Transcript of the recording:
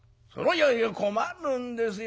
「いやいや困るんですよ。